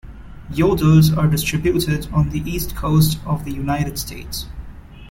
Yodels are distributed on the East Coast of the United States.